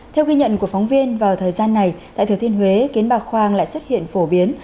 theo ghi nhận của phóng viên vào thời gian này tại thừa thiên huế kiến bà khoang lại xuất hiện phổ biến